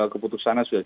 keputusannya sudah jelas